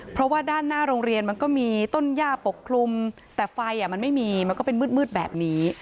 เพราะว่าด้านหน้าโรงเรียนมันก็มีต้นย่าปกคลุมแต่ไฟมันไม่มีมันก็เป็นมืดแบบนี้